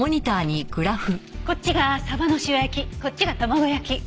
こっちが鯖の塩焼きこっちが卵焼き。